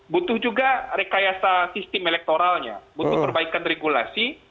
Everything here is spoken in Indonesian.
butuh juga rekayasa sistem elektoralnya butuh perbaikan regulasi